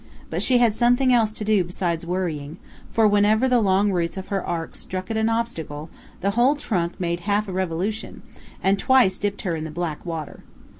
But she had something else to do besides worrying, for whenever the long roots of her ark struck an obstacle, the whole trunk made half a revolution, and twice dipped her in the black water.